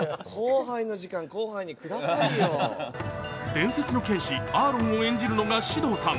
伝説の剣士、アーロンを演じるのが獅童さん。